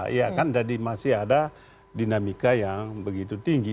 iya kan jadi masih ada dinamika yang begitu tinggi